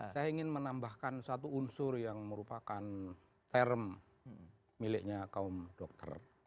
saya ingin menambahkan satu unsur yang merupakan term miliknya kaum dokter